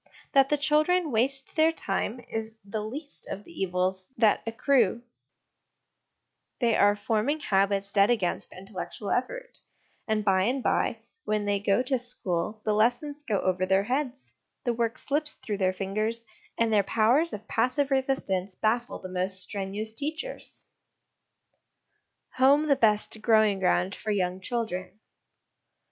That the children waste their time is the least of the evils that accrue : they are forming habits dead against intellectual effort ; and by and by, when they go to school, the lessons go over their heads, the work slips through their fingers, and their powers of passive resistance baffle the most strenuous teachers. Home the best Growing ground for Young Children.